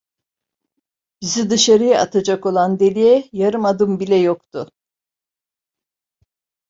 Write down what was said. Bizi dışarı atacak olan deliğe yarım adım bile yoktu.